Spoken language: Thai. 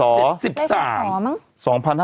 พอสอมั้ง